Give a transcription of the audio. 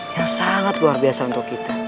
yang sangat luar biasa untuk kita